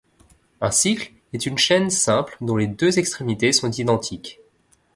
Un cycle est une chaîne simple dont les deux extrémités sont identiques.